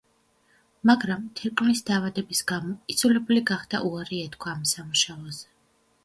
მაგრამ, თირკმლის დაავადების გამო, იძულებული გახდა უარი ეთქვა ამ სამუშაოზე.